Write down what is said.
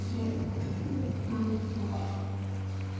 うんよかった。